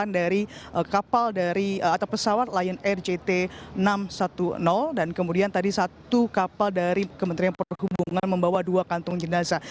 yang kedua tadi sudah ada tiga kapal dari pesawat lion air jt enam ratus sepuluh dan kemudian tadi satu kapal dari kementerian perhubungan membawa dua kantung jenazah